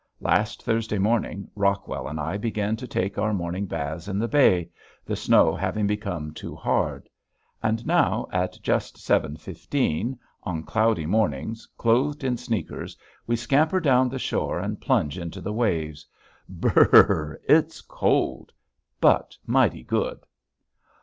Last Thursday morning Rockwell and I began to take our morning baths in the bay the snow having become too hard. And now at just seven fifteen on cloudy mornings, clothed in sneakers we scamper down the shore and plunge into the waves. Brrrrrrrr! it's cold, but mighty good.